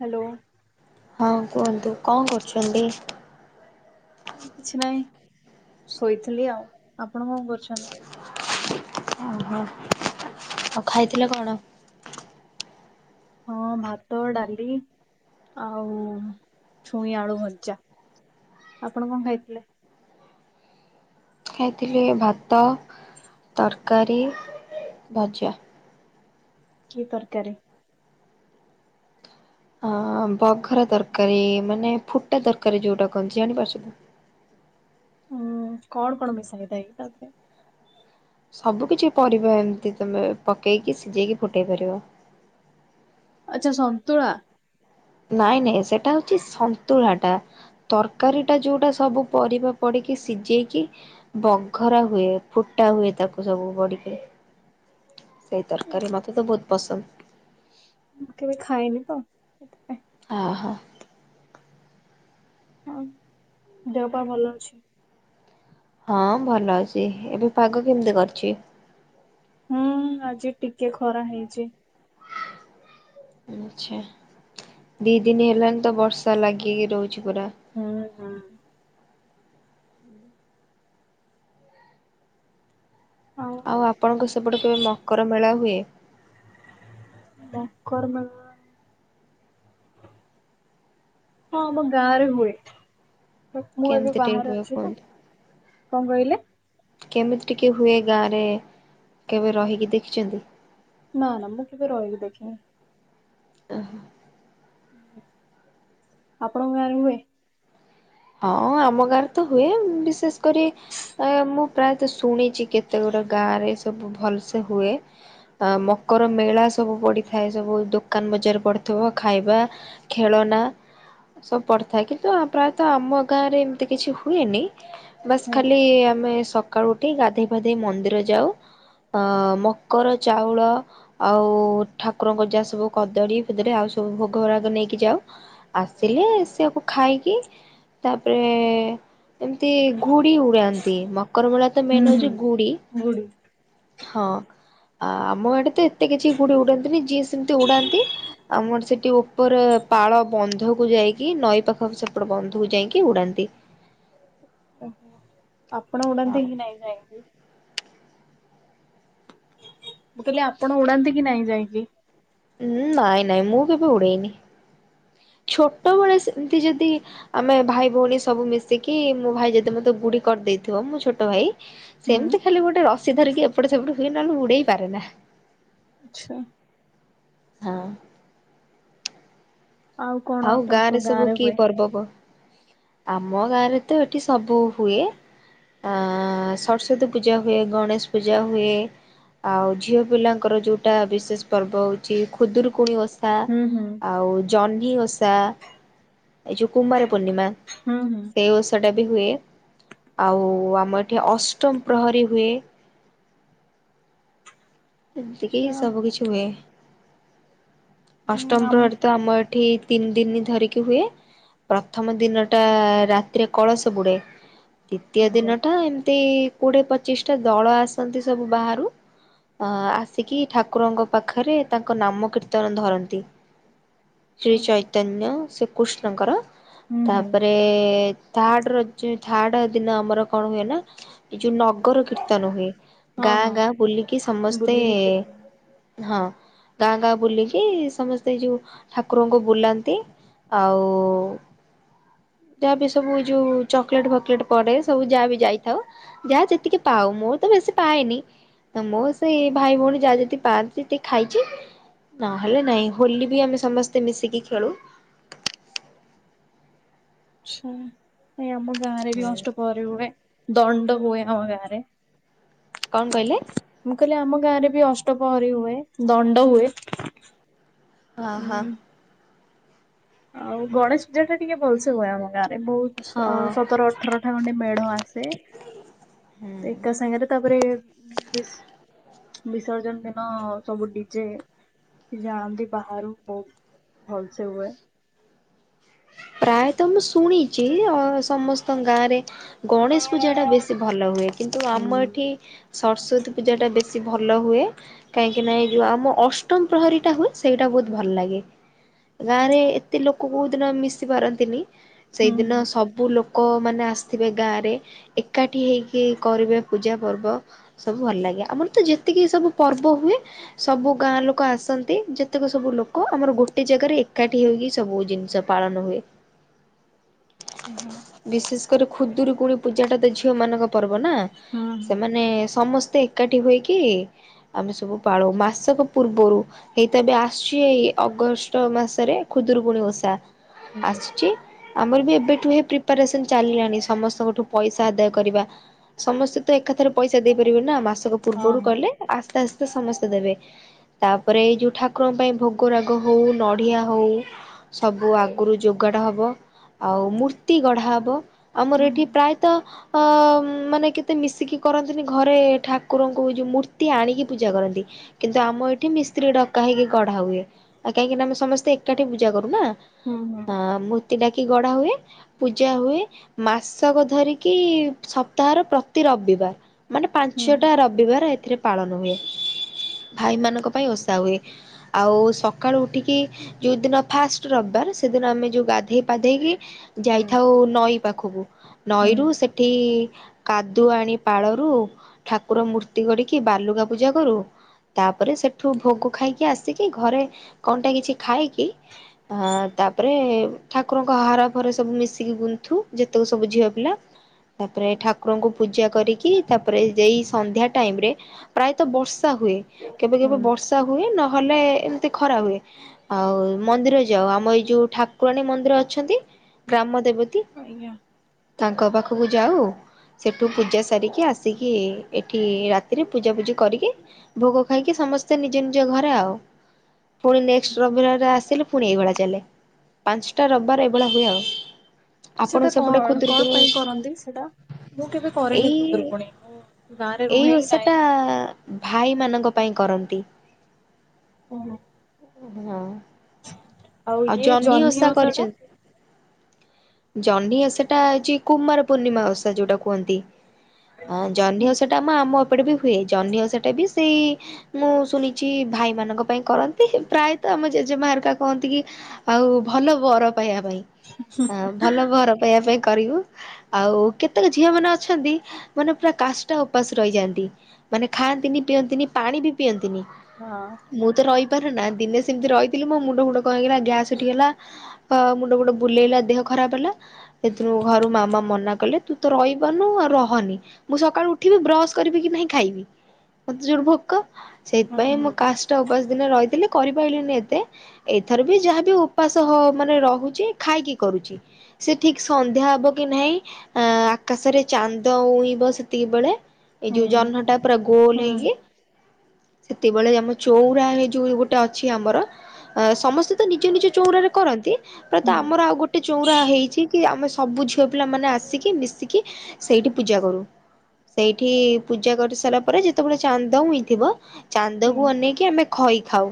Hello. ହଁ କୁହନ୍ତୁ କଣ କରୁଛନ୍ତି? ଏଇ କିଛି ନାହିଁ ଶୋଇଥିଲି ଆଉ ଆପଣ କଣ କରୁଛନ୍ତି? ଅହ। ଆଉ ଖାଇଥିଲ କଣ? ହଁ ଭାତ, ଡାଲି ଆଉ ଛୁଇଁଆଳୁ ଭଜା। ଆପଣ କଣ ଖାଇଥିଲେ? ଖାଇଥିଲି ଭାତ, ତରକାରୀ, ଭଜା। କି ତରକାରୀ? ଆଁ ବଘରା ତରକାରୀ ମାନେ ଫୁଟା ତରକାରୀ ଯୋଉଟା କଣ ଜାଣିପାରୁଛନ୍ତି। ଉଁ କଣ କଣ ମିଶାହେଇଥାଏ ତାଥିରେ? ସବୁ କିଛି ପରିବା ଏମିତି ତମେ ପକେଇକି ସିଝେଇକି ଫୁଟେଇ ପାରିବ। ଆଚ୍ଛା ସନ୍ତୁଳା। ନାଇ, ନାଇ ସେଟା ହଉଛି ସନ୍ତୁଳା ଟା। ତରକାରୀଟା ଯୋଉଟା ସବୁ ପରିବା ପଡ଼ିକି ସିଝେଇକି ବଘରା ହୁଏ ଫୁଟା ହୁଏ ତାକୁ ସବୁ ବଡିକି ସେଇ ତରକାରୀ ମୁଁ ମତେ ତ ବହୁତ ପସନ୍ଦ। [unintelligible] ଖାଇନି ତ ସେଥିପାଇଁ। ଆହା। ହଁ ଦେହପା ଭଲ ଅଛି। ହଁ ଭଲ ଅଛି, ଏବେ ପାଗ କେମିତି କରିଛି? ହୁଁ, ଆଜି ଟିକେ ଖରା ହେଇଛି। ହଉ ଆଚ୍ଛା ଦି ଦିନି ହେଲାଣି ତ ବର୍ଷା ଲାଗିକି ରହୁଛି ପୁରା। [unintelligible] ଆଉ ଆପଣଙ୍କ ସେପଟେ କେବେ ମକର ମେଳା ହୁଏ? ମକର ମେଲା ହଁ, ଆମ ଗାଁ ରେ ହୁଏ। ମୁଁ ଏବେ କେମିତି ଟିକେ ବାହାରେ ହୁଏ ଅଛି ତ, କୁହନ୍ତୁ? କଣ କହିଲେ? କେମିତି ଟିକେ ହୁଏ ଗାଁରେ କେବେ ରହିକି ଦେଖିଛନ୍ତି? ନା, ନା ମୁଁ ନା କେବେ ରହିକି ଦେଖିନି। ଓହୋ। ଆପଣଙ୍କ ଗାଁ ରେ ହୁଏ? ହଁ, ଆମ ଗାଁରେ ତ ହୁଏ ବିଶେଷ କରି ଆ ମୁଁ ପ୍ରାୟତଃ ଶୁଣିଛି କେତେ ଗୁଡା ଗାଁ ରେ ସବୁ ଭଲସେ ହୁଏ। ଆ ମକର ମେଳା ସବୁ ପଡିଥାଏ ସବୁ ଦୋକାନ ବଜାର ପଡିଥିବ, ଖାଇବା ଖେଳନା ସବୁ ପଡିଥାଏ କିନ୍ତୁ ଆ ପ୍ରାଏ ତ ଆମ ଗାଁରେ ଏମିତି କିଛି ହୁଏନି ବାସ୍ ହଁ। ଖାଲି ଆମେ ସକ ସକାଳୁ ଉଠି ଗାଧୋଇ ଫାଧେଇ ମନ୍ଦିର ଯାଉ ଅ ମକର ଚାଉଳ ଆଉ ଠାକୁରଙ୍କ ଯା ସବୁ କଦଳୀ ଭଦଳୀ ଆଉ ସବୁ ଭୋଗ ରାଗ ନେଇକି ଯାଉ। ଆସିଲେ ସେଆକୁ ଖାଇକି ତାପରେ ଏମିତି ଘୁଡି ଉଡାନ୍ତି ମକରମେଳା ତ ହୁଁ ମେନ୍ ହୁଁ ହେଉଛି, ଗୁଡି ଗୁଡ଼ି। ହଁ। ଆ ଆମ ଆଡେ ତ ଏତେ କିଛି ଗୁଡି ଉଡାନ୍ତିନି ଯିଏ ସେମିତି ଉଡ଼ାନ୍ତି। ଆମର ସେଠି ଉପରେ ପାଳ ବନ୍ଧକୁ ଯାଇକି ନଈ ପାଖ ସେପଟେ ବନ୍ ନ୍ଧକୁ ଯାଇକି ଉଡ଼ନ୍ତି। ଓହୋ ଆପଣ ଉଡ଼ାନ୍ତି ହଉ। କି ନାଇ ଯାଇକି? ମୁଁ କହିଲି ଆପଣ ଉଡାନ୍ତି କି ନାଇ ଯାଇକି? ଉ ନାଇଁ ନାଇଁ ମୁଁ କେବେ ଉଡେଇନି ଛୋଟବେଳେ ସେମିତି ଯଦି ଆମେ ଭାଇ ଭଉଣୀ ସବୁ ମିଶିକି ମୋ ଭାଇ ଯଦି ମତେ ଗୁଡି କରିଦେଇଥିବ ମୋ ଛୋଟ ଭାଇ ହୁଁ। ସେମିତି ଖାଲି ଗୋଟେ ରସିି ଧରିକି ଏପଟ ସେପଟ ହୁଏ ନହେଲେ ଉଡେଇ ପାରେ ନା। ଆଚ୍ଛା। ହଁ। କଣ ଆଉ ଗାଁ ଆପଣଙ୍କ ରେ ସବୁ ଗାଁରେ କିଏ ହୁଏ? ପର୍ବ ପ ଆମ ଗାଁ ରେ ତ ଏଠି ସବୁ ହୁଏ। ଆ ସରସ୍ଵତୀ ପୂଜା ହୁଏ, ଗଣେଶ ପୂଜା ହୁଏ। ଆଉ ଝିଅ ପିଲାଙ୍କର ଯୋଉଟା ବିଶେଷ ପର୍ବ ହଉଛି ଖୁଦରୁକୁୁଣି ଓସା ହୁଁ ହୁଁ ଆଉ ଜହ୍ନି ଓଷା, ଏ ଯଉ କୁମାର ପୂର୍ଣ୍ଣିମା। ହୁଁ ହୁଁ। ସେ ଓଷଟା ବି ହୁଏ, ଆଉ ଆମ ଏଠି ଅଷ୍ଟମ ପ୍ରହରୀ ହୁଏ। ଏମିତିକି ଆଚ୍ଛା ସବୁ କିିଛି ହୁଏ। ଅଷ୍ଟମ ପ୍ରହରୀ ତ ଆମ ଏଠି ତିନି ଦିନ ଧରିକି ହୁଏ, ପ୍ରଥମ ଦିନଟା ରାତିରେ କଳସ ବୁଡେ। ଦ୍ଵିତୀୟ ଆଜ୍ଞା। ଦିନ ଟା ଏମିତି କୋଡିଏ ପଚିଶ ଟା ଦଳ ଆସନ୍ତି ସବୁ ବାହାରୁ। ଅ ଆସିକି ଠାକୁରଙ୍କ ପାଖରେ ତାଙ୍କ ନାମ କୀର୍ତ୍ତନ ଧରନ୍ତି, ଶ୍ରୀ ହୁଁ। ଚୈତନ୍ୟ, ଶ୍ରୀକୃଷ୍ଣଙ୍କର ହୁଁ ହୁଁ ତାପରେ ରେ ଥାର୍ଡ ର ଯୋଉ ଥାର୍ଡ ଦିନ ଆମର କଣ ହୁଏ ନା ଏଇ ଯୋଉ ନଗର କୀର୍ତ୍ତନ ହୁଏ ହଁ ଗାଁ ହଁ ଗାଁ ବୁଲିକି ସମସ୍ତେ ବୁଲିକି କେତେ ହଁ, ଗାଁ ଗାଁ ବୁଲିକି ଏଇ ସମସ୍ତେ ଯୋଉ ଠାକୁରଙ୍କୁ ବୁଲାନ୍ତି ଆଉ ଯାହା ବି ସବୁ ଯୋଉ ଚକଲେଟ ଫକଲେଟ୍ ପଡେ ସବୁ ଯାହା ବି ଯାଇଥାଉ ଯାହା ଯେତିକି ପାଉ, ମୁଁ ତ ବେଶୀ ପାଏନି। ମୋ ସେଇ ଭାଇ ଭଉଣୀ ଯାହା ଯଦି ପାଆନ୍ତି ଖାଇଛି। ନହେଲେ ନାଇଁ ହୋଲି ବି ଆମେ ସମସ୍ତେ ମିଶିକି ଖେଳୁ ଆଚ୍ଛା ନାଇ ଆମ ଗାଁରେ ବି ହୁଁ। ଅଷ୍ଟପହଁରି ହୁଏ ଦଣ୍ଡ ହୁଏ ଆମ ଗାଁ ରେ। କଣ କହିଲେ? ମୁଁ କହିଲି ଆମ ଗାଁ ରେ ବି ଅଷ୍ଟପହରୀ ହୁଏ ଦଣ୍ଡ ହୁଏ। ହଁ ହଁ। ଉଁ ଆଉ ଗଣେଶ ପୂଜାଟା ଟିକେ ଭଲସେ ହୁଏ ଆମ ଗାଁ ରେ, ବହୁତ ହଁ। ଅ ସତର ଅ ଅଠରଟା ଖଣ୍ଡେ ମେଢ ଆସେ, ହୁଁ। ଏକା ସାଙ୍ଗରେ ତାପରେ ବେଶ୍ ବିସର୍ଜନ ଦିନ ସବୁ ଡି ଜେ ଯାଆନ୍ତି ବାହାରୁ ବହୁତ ଭଲସେ ହୁଏ। ପ୍ରାୟତଃ ମୁଁ ଶୁଣିଛି ଅ ସମସ୍ତଙ୍କ ଗାଁ ରେ ଗଣେଶ ପୂଜାଟା ବେଶୀ ଭଲ ହୁଏ କିନ୍ତୁ ହୁଁ। ଆମ ଏଠି ସରସ୍ଵତୀ ପୂଜାଟା ବେଶୀ ଭଲ ହୁଏ। କାହିଁକି ନା ଏଇ ଯୋଉ ଆମ ଅଷ୍ଟମ ପ୍ରହରୀ ଟା ହୁଏ ସେଇଟା ବହୁତ ଭଲ ଲାଗେ। ଗାଁରେ ଏତେ ଲୋକ କୋଉ ଦିନ ମିଶି ପାରନ୍ତିନି, ହୁଁ ସେଇଦିନ ହୁଁ ସବୁ ସବୁ ଲୋକମାନେ ଆସିଥିବେ ଗାଁରେ ଏକାଠି ହେଇକି କରିବେ ପୂଜା ପର୍ବ। ସବୁ ଭଲ ଲାଗେ ଆମର ତ ଯେତିକି ସବୁ ପର୍ବ ହୁଏ ସବୁ ଗାଁ ଲୋକ ଆସନ୍ତି ଯେତେକ ସବୁ ଲୋକ ଆମର ଗୋଟେ ଜାଗାରେ ଏକାଠି ହେଇକି ସବୁ ଜିନିଷ ପାଳନ ହୁଏ। ବିଶେଷ କରି ଖୁଦୁରୁକୁଣି ପୂଜାଟା ତ ଝିଅ ମାନଙ୍କ ପର୍ବ ନା, ହୁଁ ସେମାନେ ସମସ୍ତେ ଏକାଠି ହୋଇକି ଆମେ ସବୁ ପାଳୁ, ମାସକ ପୂର୍ବରୁ ଏଇ ତ ଏବେ ଆସୁଛି ଏଇ ଅଗଷ୍ଟ ମାସରେ ଖୁଦୁରୁକୁୁଣୀ ଓଷା। ହୁଁ ହୁଁ। ହୁଁ। ଆସୁଛି, ଆମର ବି ଏବେଠୁ ପ୍ରିପାରେସନ ଚାଲିଲାଣି ସମସ୍ତଙ୍କଠୁ ପଇସା ଆଦାୟ କରିବା। ସମସ୍ତେ ତ ଏକାଥରେ ପଇସା ଦେଇପାରିବେନି ନା ମାସକ ହଁ ପୂର୍ବରୁ ହଁ କହିଲେ ଆସ୍ତେ ଆସ୍ତେ ସମସ୍ତେ ଦେବେ। ତାପରେ ଏଇ ଯଉ ଠାକୁରଙ୍କ ପାଇଁ ଭୋଗରାଗ ହଉ ନଡ଼ିଆ ହଉ ସବୁ ଆଗ ଗୁରୁ ଯୋଗାଡ଼ ହେବ। ଆଉ ମୂର୍ତ୍ତି ଗଢା ହବ, ଆମର ହୁଁ ଏଠି ପ୍ରାୟତଃ ଅ ମାନେ କେତ ମତେ ମିଶିକି କରନ୍ତିନି ଘରେ ଠାକୁରଙ୍କୁ ଯୋଉ ମୂର୍ତ୍ତି ଆଣିକି ପୂଜା କରନ୍ତି। କିନ୍ତୁ ଆମ ଏଠି ମିସ୍ତ୍ରୀ ଡକା ହେଇକି ଗଢା ହୁଏ, ଆଉ କାହିଁକି ନା ଆମ ସମସ୍ତେ ଏକାଠି ପୂଜା କରୁନା। ହୁଁ ହୁଁ। ଅ ମୂର୍ତ୍ତି ଡାକି ଗଢ଼ା ହୁଏ। ପୂଜା ହୁଏ, ମାସକ ଧରିକି ସପ୍ତାହର ପ୍ରତି ରବିବାର ମାନେ ହୁଁ ପାଞ୍ଚଟା ରବିବାର ଏଥିରେ ପାଳନ ହୁଏ ଭାଇ ମାନଙ୍କ ପାଇଁ ଓଷା ହୁଏ। ଆଉ ସକାଳୁ ଉଠିକି ଯୋଉ ଦିନ ଫାଷ୍ଟ ରବିବାର ସେଦିନ ଆମେ ଯୋଉ ଗାଧେଇ ପାଧେଇକି ହୁଁ। ଯାଇଥାଉ ନଈ ପାଖକୁ ହୁଁ ନଈରୁ ସେଠି କାଦୁଅ ଆଣି ପାଳରୁ ଠାକୁର ମୂର୍ତ୍ତି କରିକି ବାଲୁକା ପୂଜା କରୁ ତାପରେ ସେଠୁ ଭୋଗ ଖାଇକି ଆସିକି ଘରେ କଣଟା କିଛି ଖାଇକି ହଁ ତା ତାପରେ ଠାକୁରଙ୍କ ହାର ଫାର ସବୁ ମିଶିକି ଗୁନ୍ଥୁ ଯେତକ ସବୁ ଝିଅ ପିଲା। ତାପରେ ଠାକୁରଙ୍କୁ ପୂଜା କରିକି ତାପରେ ଏଇ ସନ୍ଧ୍ୟା ଟାଇମ ରେ ପ୍ରାୟତଃ ବର୍ଷା ହୁଏ କେବେ କେବେ ହୁଁ। ବର୍ଷା ହୁଏ ନହେଲେ ଏମିତି ଖରା ହୁଏ। ଆଉ ମନ୍ଦିର ଯାଉ ଆମ ଏଇ ଯୋଉ ଠାକୁରାଣୀ ମନ୍ଦିର ଅଛନ୍ତି ଗ୍ରାମ ଦେବତୀ। ଆଜ୍ଞା। ତାଙ୍କ ପାଖକୁ ଯାଉ ସେଠୁ ପୂଜା ସାରିକି ଆସିକି ଏଠି ରାତିରେ ପୂଜା ପୂଜି କରିକି ଭୋଗ ଖାଇକି ସମସ୍ତେ ନିଜ ନିଜ ଘରେ ଆଉ। ପୁଣି ନେକ୍ସଟ ରବିବାରରେ ଆସିଲେ ପୁଣି ଏଇଭଳିଆ ଚାଲେ। ପାଞ୍ଚଟା ରବିବାର ଏଇଭଳି ହୁଏ ଆଉ ଆପଣ ସେଟା ସେପଟେ କଣ କଣ ଖୁଦୁରୁକୁଣୀ ପାଇଁ କରନ୍ତି ସେଟା? ମୁଁ କେବେ କରିନି ଏଇ ଖୁଦୁରୁକୁଣୀ ମୁଁ ଗାଁରେ ଏଇ ରୁହେ ହିଁ ନାହିଁ। ଓଷାଟା ଭାଇମାନଙ୍କ ପାଇଁ କରନ୍ତି। ହୁଁ ହୁଁ। ହଁ ଆଉ ଜହ୍ନି ଓଷା କରିଛନ୍ତି। ଜହ୍ନି ଓଷାଟା ହେଇଛି କୁମାର ପୂର୍ଣ୍ଣିମା ଓଷା ଯୋଉଟା କୁହନ୍ତି। ହଁ ଜହ୍ନି ଓଷାଟା ସେଟା ଆମ ଆମ ଏପଟେ ବି ହୁଏ ଜହ୍ନି ଓଷାଟା ବି ସେଇ ମୁଁ ଶୁଣିଛି ଭାଇମାନଙ୍କ ପାଇଁ କରନ୍ତି। ପ୍ରାୟତଃ ଆମ ଜେଜେମା ଏରକା କହନ୍ତି କି ଆଉ ଭଲ ବର ପାଇବା ପାଇଁ। ଆ ଭଲ ବର ପାଇବା ପାଇଁ କରିବୁ। ଆଉ କେତେକ ଝିଅ ମାନେ ଅଛନ୍ତି ମାନେ ପୁରା କାଷ୍ଟ ଉପାସ ରହିଯାଆନ୍ତି। ମାନେ ଖାଆନ୍ତିନି ପିଅନ୍ତିନି ପାଣି ବି ପିଅନ୍ତିନି। ହଁ। ମୁଁ ତ ରହିପାରୁ ନା ଦିନେ ସେମିତି ରହିଥିଲି ମୋ ମୁଣ୍ଡ ଫୁଣ୍ଡ କଣ ହେଇଗଲା ଗ୍ୟାସ୍ ଉଠିଗଲା। ମୁଣ୍ଡ ଗୋଟେ ବୁଲେଇଲା ଦେହ ଖରାପ ହେଲା ସେଥିରୁ ଘରୁ ମାମା ମନା କଲେ ତୁ ତ ରହିବନୁ ଆଉ ରହନି ମୁଁ ସକାଳୁ ଉଠିବି ବ୍ରସ କରିବି କି ନାହିଁ ଖାଇବି। ମତେ ଜୋର ଭୋକ ସେଇଥିପାଇଁ ହଁ। ମୋ କାସ୍ ଟା ଉପାସ ଦିନ ରହିଥିଲି କରିପାରିଲିନି ଏତେ ଏଥର ବି ଯାହାବି ଉପାସ ମାନେ ରହୁଛି ଖାଇକି କରୁଛି। ସେ ଠିକ ସନ୍ଧ୍ୟା ହବ କି ନାହିଁ ଆ ଆକାଶରେ ଚାନ୍ଦ ଉଇବ ସେତିକି ବେଳେ। ଏଇ ହୁଁ ଯୋଉ ହୁଁ। ଜହ୍ନ ଟା ପୁରା ହୁଁ ଗୋଲ ହେଇକି ସେତେବେଳେ ଆମ ଚଉଁରାରେ ଯୋଉ ଗୋଟେ ଅଛି ଆମର ସମସ୍ତେ ତ ନିଜ ନିଜ ଚଉରାରେ କରନ୍ତି ପ୍ରତ ଆମର ଆଉ ଗୋଟେ ଗୋଟେ ଚଉରା ହେଇଛି କି ଆମେ ସବୁ ଝିଅ ପିଲା ମାନେ ଆସିକି ମିଶିକି ସେଇଠି ପୂଜା କରୁ। ସେଇଠି ପୂଜା କରି ସାରିଲା ପରେ ଯେତେବେଳେ ଚାନ୍ଦ ଉଇଁଥିବ ହୁଁ ଚାନ୍ଦକୁ ଅନେଇକି ଆମେ ଖଇ ଖାଉ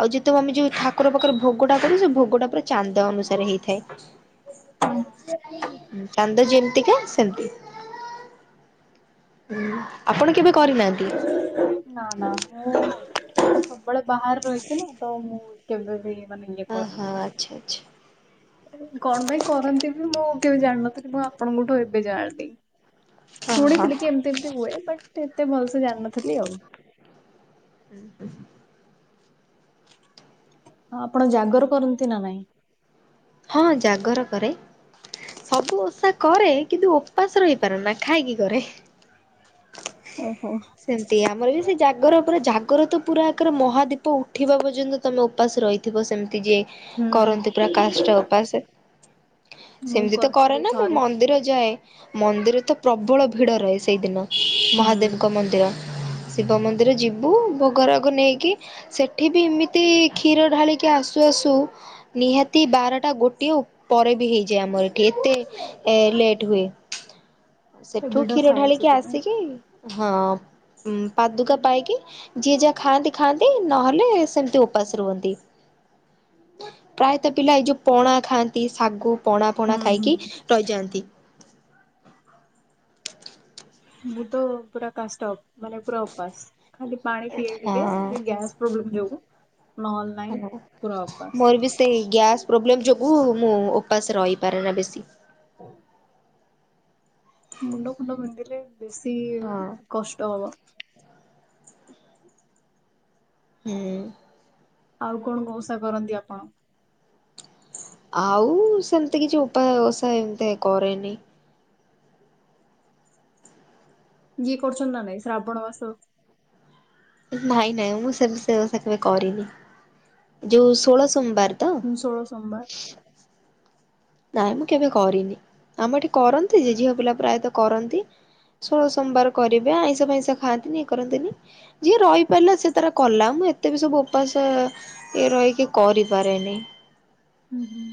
ଆଉ ଯେତେକ ଆମେ ଯୋଉ ଠାକୁର ପାଖରେ ଭୋଗ ଟା କରୁ ସେ ଭୋଗଟା ପୁରା ଚାନ୍ଦ ଅନୁସାରେ ହେଇଥାଏ। ଚାନ୍ଦ ଯେମିତିକା ସେମିତି। ଆପଣ କେବେ କରିନାହାନ୍ତି? ନା ନା ମୁଁ ସବୁବେଳେ ବାହାରେ ରହିଛି ନା ତ ମୁଁ କେବେ ବି ମାନେ ଇଏ ଓ ହୋ କରିନି। ଆଚ୍ଛା ଆଚ୍ଛା। କଣ ପାଇଁ କରନ୍ତି ବି ମୁଁ କେବେ ଜାଣିନଥିଲି ମୁଁ ଆପଣଙ୍କଠୁ ଏବେ ଜାଣିଲି। ଓହୋ ଶୁଣିଥିଲି କି ଏମିତି ଏମିତି ହୁଏ ବଟ୍ ଏତେ ଭଲସେ ଜାଣିନଥିଲି ଆଉ। ହୁଁ ହୁଁ। ହଁ ଆପଣ ଜାଗର କରନ୍ତି ନା ନାଇଁ? ହଁ ଜାଗର କରେ ସବୁ ଓଷା କରେ କିନ୍ତୁ ଉପାସ ରହିପାରେ ନା ଖାଇକି କରେ। ଓହୋ ସେମିତି ଆମର ବି ସେ ଜାଗ ଆଗର ପୁରା ଜାଗର ତ ପୁରା ଏକର ମହାଦୀପ ଉଠିବା ପର୍ଯ୍ୟନ୍ତ ତମେ ଉପାସ ରହିଥିବ ସେମିତି ଯିଏ। ହୁଁ କରନ୍ତି ପୁରା କାଷ୍ଟା ଉପାସ। ମୁଁ ସେମିତି ତ କରେ କରିଥିଲି ନା ମୁଁ ଥରେ। ମନ୍ଦିର ଯାଏ। ମନ୍ଦିର ତ ପ୍ରବଳ ଭିଡ ରହେ ସେଇଦିନ, ହୁଁ। ମହାଦେବଙ୍କ ମନ୍ଦିର। ଶିବ ମନ୍ଦିର ଯିବୁ ଭୋଗ ରାଗ ନେଇକି ସେଠି ବି ଏମିତି କ୍ଷୀର ଢାଳିକି ଆସୁ ଆସୁ ନିହାତି ବାରଟା ଗୋଟିଏ ପରେ ବି ହେଇଯାଏ ଆମର ଏଠି ଏତେ ଲେଟ ହୁଏ। ସେ ସେଠୁ ଭିଡ କ୍ଷୀର ଥାଏ ଢାଳିକି ସେଥିପାଇଁ ହଁ ଉ ପାଦୁକା ପାଇକି, ଯିଏ ଯାହା ଖାଆନ୍ତି ଖାଆନ୍ତି ନହେଲେ ସେମିତି ଉପାସ ରୁହନ୍ତି। [inaudible] ପ୍ରାୟତଃ ପିଲା ଏଇ ଯୋଉ ପଣା ଖାଆନ୍ତି ଶାଗୁ ପଣା ଫଣା ହୁଁ ଖାଇକି ହୁଁ। ରହିଯାଆନ୍ତି। ମୁଁ ତ ପୁରା କାଷ୍ଟା ମାନେ ପୁରା ଉପାସ ଖାଲି ପାଣି ପିଏ ଟିକେ ହଁ ଗ୍ୟାସ୍ ପ୍ରୋବ୍ଲେମ ଯୋଗୁଁ [inaudible] ମୋର ବି ସେଇ ଗ୍ୟାସ ପ୍ରୋବ୍ଲେମ ଯୋଗୁ ମୁଁ ଉପାସ ରହିପାରେ ନା ବେଶୀ। [unintelligible] ମୁଣ୍ଡ ଫୁଣ୍ଡ ପିନ୍ଧିଲେ ବେଶୀ ହୁଁ କଷ୍ଟ ହବ। ହୁଁ ଆଉ କଣ ଓସା କରନ୍ତି ଆପଣ? ଆଉ ସେମିତି କିଛି ଉପାୟ ଓସା ଏମିତି କରେନି। ଯିଏ କରୁଛନ୍ତି ନା ନାଇଁ ଶ୍ରାବଣ ମାସ। ନାଇଁ ନାଇଁ ମୁଁ ସ ସେ ଓସା କେବେ କରିନୀ। ଯୋଉ ଷୋଳ ସୋମବାର ତ। ଷୋଳ ସୋମବାର ନାଇଁ ମୁଁ କେବେ କରିନି ଆମ ଏଠି କରନ୍ତି ଯେ ଝିଅ ପିଲା ପ୍ରାୟତଃ କରନ୍ତି ଷୋଳ ସୋମବାର କରିବେ ଆଇଁଷ ଫଇଁସ ଖାଆନ୍ତିନିି ଇଏ କରନ୍ତିନି। ଯିଏ ରହିପାରିଲା ସେ ତାରା କଲା ମୁଁ ଏତେ ବି ସବୁ ଉପାସ ସିଏ ରହିକି କରିପାରେନି। ହୁଁ ହୁଁ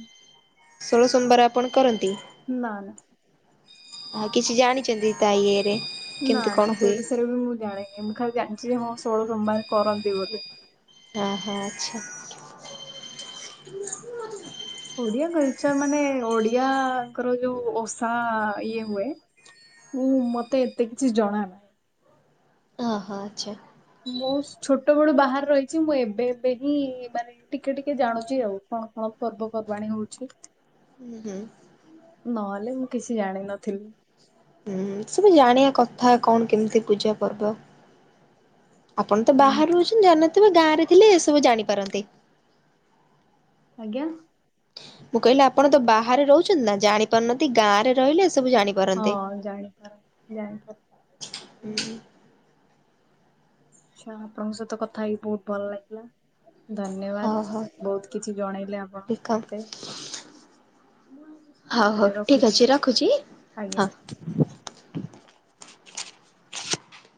ଷୋଳ ସୋମବାର ଆପଣ କରନ୍ତି? ନା ନା ଆଉ କିଛି ଜାଣିଛନ୍ତି ତା ଇଏରେ ନା କେମିତି ନା କଣ ସେ ହୁଏ? ବିଷୟରେ ବି ମୁଁ ଜାଣିନି ମୁଁ ଖାଲି ଜାଣିଛି ଯେ ହଁ ଷୋଳ ସମବାର କରନ୍ତି ବୋଲି। ଓ ହୋ ଆଚ୍ଛା ଓଡିଆ କଲଚର ମାନେ ଓଡିଆଙ୍କର ଯୋଉ ଓସା ଇଏ ହୁଏ ମୁଁ ମତେ ଏତେ କିଛି ଜଣା ନାଇ। ହଁ ହଁ ଆଚ୍ଛା ମୁ ଛୋଟ ବେଳୁ ବାହାରେ ରହିଛି ମୁଁ ଏବେ ଏବେ ହିଁ ମାନେ ଟିକେ ଟିକେ ଜାଣୁଛି ଆଉ କଣ କଣ ପର୍ବପର୍ବାଣୀ ହଉଛି। ହୁଁ ହୁଁ ନହେଲେ ମୁଁ କିଛି ଜାଣିନଥିଲି। ହୁଁ ସବୁ ଜାଣିବା କଥା କଣ କେମିତି ପୂଜା ପର୍ବ। ଆପଣ ତ ହୁଁ ବାହାରୁ ଅଛନ୍ତି ଜାଣନଥିବେ ଗାଁରେ ଥିଲେ ଏସବୁ ଜାଣିପାରନ୍ତି। ଆଜ୍ଞା ମୁଁ କହିଲି ଆପଣ ତ ବାହାରେ ରହୁଛନ୍ତି ନା ଜାଣିପାରୁନାହାନ୍ତି ଗାଁରେ ରହିଲେ ଏ ସବୁ ଜାଣି ହଁ ଜାଣିପାରୁ ଜାଣିପାରୁ ହୁଁ ଆଚ୍ଛା ଆପଣଙ୍କ ସହିତ କଥା ହେଇକି ବହୁତ୍ ଭଲ ଲାଗିଲା। ହଉ ଧନ୍ୟବାଦ୍ ହଉ ବହୁତ୍ କିଛି ଜଣେଇଲେ ଆପଣ ଠିକ ମତେ। ହଉ ହଉ ତାହେଲେ ଠିକ୍ ରଖୁଛି ଅଛି ରଖୁଛି। ହଁ। ଆଜ୍ଞା।